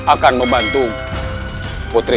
akan membantu putri